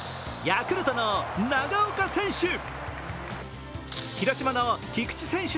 ヤクルトの長岡選手。